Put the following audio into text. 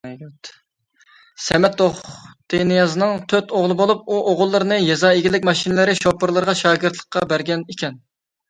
سەمەت توختىنىيازنىڭ تۆت ئوغلى بولۇپ، ئۇ ئوغۇللىرىنى يېزا ئىگىلىك ماشىنىلىرى شوپۇرلىرىغا شاگىرتلىققا بەرگەن ئىكەن.